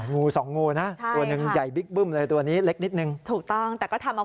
งู๒งูนะตัวนึงใหญ่บิ๊กบึ้มเลยตัวนี้เล็กนิดนึง